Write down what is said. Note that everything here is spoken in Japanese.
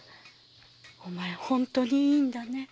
本当にいいんだね？